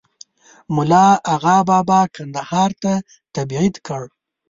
مُلا آغابابا کندهار ته تبعید کړ.